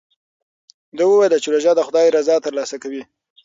ده وویل چې روژه د خدای رضا ترلاسه کوي.